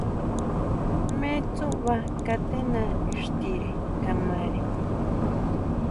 Jne tsúʼba katena ixtire kamare.